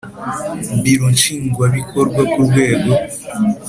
Biro nshingwabikorwa ku rwego